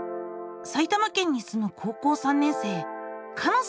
埼玉県に住む高校３年生かの。